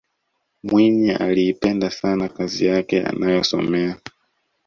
mwinyi aliipenda sana kazi yake anayosomea